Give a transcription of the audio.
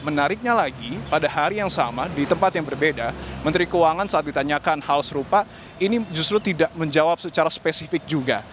menariknya lagi pada hari yang sama di tempat yang berbeda menteri keuangan saat ditanyakan hal serupa ini justru tidak menjawab secara spesifik juga